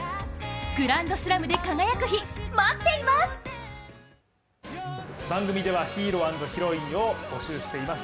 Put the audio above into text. グランドスラムで輝く日、待っています！